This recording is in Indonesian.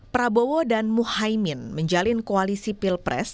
prabowo dan muhaymin menjalin koalisi pilpres